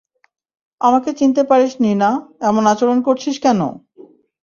আমাকে চিনতে পারিসনি না, এমন আচরণ করছিস কেন?